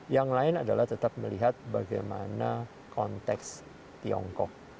yang lain adalah tetap melihat bagaimana konteks tiongkok